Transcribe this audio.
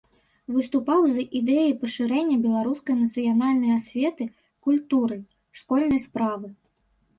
Выступаў з ідэяй пашырэння беларускай нацыянальнай асветы, культуры, школьнай справы.